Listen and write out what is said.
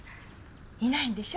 いないんでしょ？